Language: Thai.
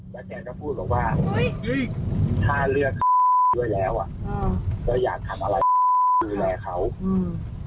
แต่แกก็พูดลงว่าถ้าเลือกอยู่แล้วอ่าจะอยากทำอะไรคือแลเขาอืม